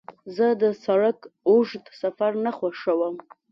زه د سړک اوږد سفر نه خوښوم.